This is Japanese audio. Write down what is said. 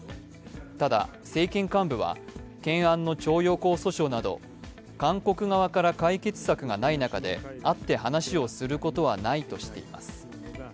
ただ政権幹部は懸案の徴用工訴訟など韓国側から解決策がない中で会って話をすることはないとしています。